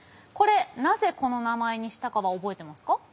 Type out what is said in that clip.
これなぜこの名前にしたかは覚えてますか？